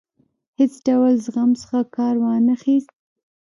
هیڅ ډول زغم څخه کار وانه خیست.